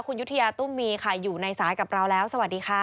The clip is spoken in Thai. คุณยุธยาตุ้มมีค่ะอยู่ในสายกับเราแล้วสวัสดีค่ะ